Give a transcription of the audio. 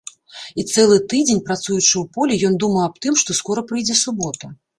І цэлы тыдзень, працуючы ў полі, ён думаў аб тым, што скора прыйдзе субота.